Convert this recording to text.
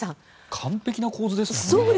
完璧な構図ですね。